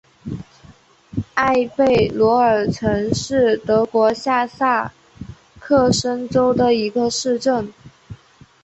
埃贝罗尔岑是德国下萨克森州的一个市镇。